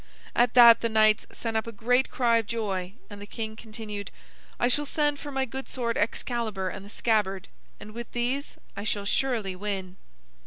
At that the knights set up a great cry of joy, and the king continued: "I shall send for my good sword Excalibur and the scabbard, and with these I shall surely win."